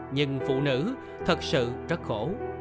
nhưng phụ nữ thật sự rất khổ